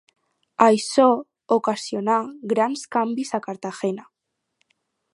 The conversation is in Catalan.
Això ocasionà grans canvis a Cartagena.